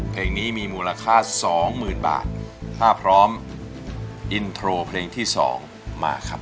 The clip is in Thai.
เพลงนี้มีมูลค่าสองหมื่นบาทถ้าพร้อมอินโทรเพลงที่สองมาครับ